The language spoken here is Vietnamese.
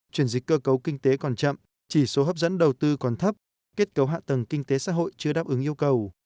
chuyển dịch cơ cấu kinh tế còn chậm chỉ số hấp dẫn đầu tư còn thấp kết cấu hạ tầng kinh tế xã hội chưa đáp ứng yêu cầu